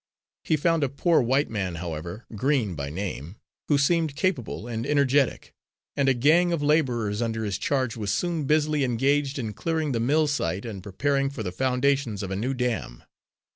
He found a poor white man, however, Green by name, who seemed capable and energetic, and a gang of labourers under his charge was soon busily engaged in clearing the mill site and preparing for the foundations of a new dam.